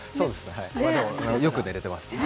よく寝れてます。